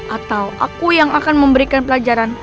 atau aku yang akan memberikan pelajaran